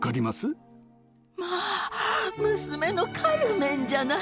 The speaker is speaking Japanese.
まあ、娘のカルメンじゃない。